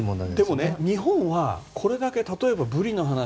でも日本はこれだけ例えば、ブリの話